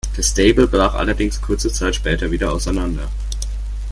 Das Stable brach allerdings kurze Zeit später wieder auseinander.